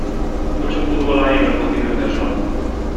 Mucho fútbol hay en los botines de Osorno.